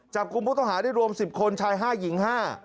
จับกลุ่มผู้ต้องหาได้รวม๑๐คนชาย๕หญิง๕